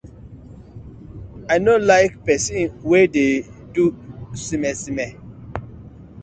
I no like pesin we dey so smer smer.